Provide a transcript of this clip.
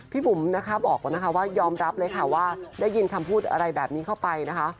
บุ๋มนะคะบอกนะคะว่ายอมรับเลยค่ะว่าได้ยินคำพูดอะไรแบบนี้เข้าไปนะคะ